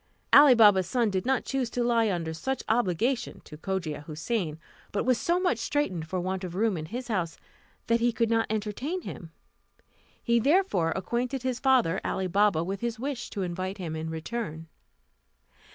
Ali Baba's son did not choose to lie under such obligation to Cogia Houssain; but was so much straitened for want of room in his house, that he could not entertain him. He therefore acquainted his father, Ali Baba, with his wish to invite him in return.